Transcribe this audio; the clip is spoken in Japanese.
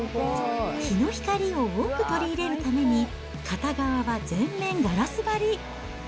日の光を多く取り入れるために、片側は全面ガラス張り。